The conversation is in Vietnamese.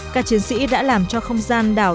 các chiến sĩ đã làm cho không gian đảo